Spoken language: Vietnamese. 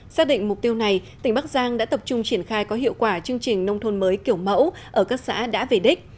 xác định mục tiêu này tỉnh bắc giang đã tập trung triển khai có hiệu quả chương trình nông thôn mới kiểu mẫu ở các xã đã về đích